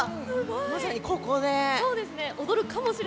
まさにここで。